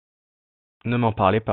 Ne m'en parlez pas !